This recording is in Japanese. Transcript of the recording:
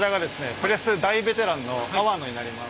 プレス大ベテランの粟野になります。